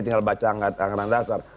tinggal baca angkatan dasar